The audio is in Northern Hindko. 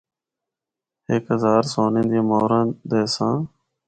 ہک ہزار سونے دیاں مُہراں دیساں۔